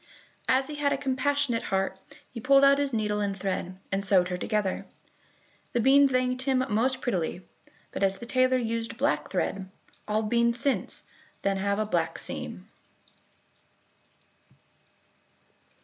As he had a compassionate heart he pulled out his needle and thread, and sewed her together. The bean thanked him most prettily, but as the tailor used black thread, all beans since then have a black seam.